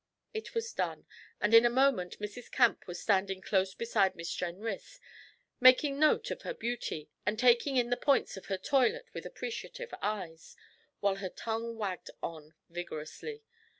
It was done, and in a moment Mrs. Camp was standing close beside Miss Jenrys, making note of her beauty, and taking in the points of her toilet with appreciative eyes, while her tongue wagged on vigorously.